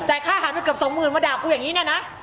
ค่าอาหารไปเกือบสองหมื่นมาด่ากูอย่างนี้เนี่ยนะ